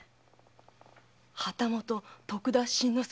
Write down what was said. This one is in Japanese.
旗本・徳田新之助